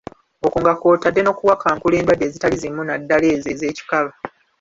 Okwo nga kw'otadde n'okuwakankula endwadde ezitali zimu, naddala ezo ez'ekikaba.